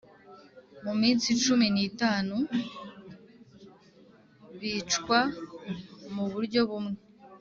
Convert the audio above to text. mu minsi cumi n itanu bicwa mu buryo bumwe